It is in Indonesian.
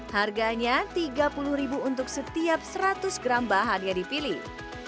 harganya rp tiga puluh untuk setiap seratus gram bahan yang dipilih